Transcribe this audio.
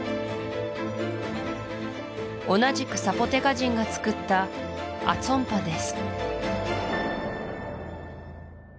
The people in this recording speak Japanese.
同じくサポテカ人がつくったアツォンパです